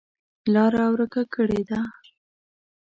لاره ورکه کړې ده.